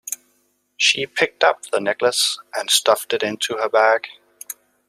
She picked up the necklace and stuffed it into her bag